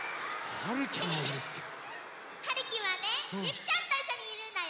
はるちゃん？はるきはねゆきちゃんといっしょにいるんだよ！